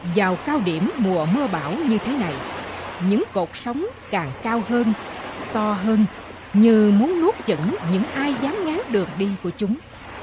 vào cao điểm mùa mưa bão như thế này những cột sóng càng cao hơn to hơn như muốn nuốt chẩn những ai dám ngáo được đi của chúng